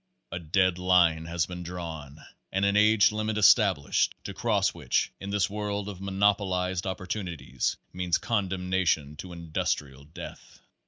A dead line has been drawn, and an age limit estab lished, to cross which, in this world of monopolized op portunities, means condemnation to industrial death.